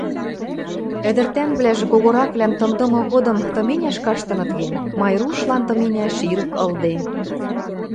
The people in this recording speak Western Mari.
Ӹдӹр тӓнгвлӓжӹ когораквлӓм тымдымы годым тыменяш каштыныт гӹнь, Майрушлан тыменяш ирӹк ылде.